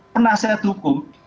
pernah saya dukung